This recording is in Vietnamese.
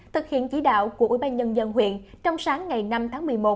thực hiện chỉ đạo của ubnd huyện trong sáng ngày năm tháng một mươi một